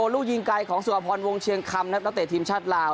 ลูกยิงไกลของสุภพรวงเชียงคำครับนักเตะทีมชาติลาว